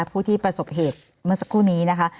ผู้ที่ประสบเหตุเมื่อสักครู่นี้นะคะ